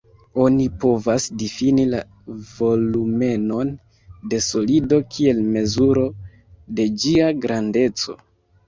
Oni povas difini la volumenon de solido kiel mezuro de ĝia grandeco.